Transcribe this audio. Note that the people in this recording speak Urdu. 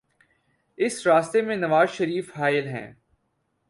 اس راستے میں نوازشریف حائل ہیں۔